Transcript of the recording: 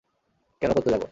কেন করতে যাবো?